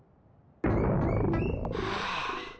はあ。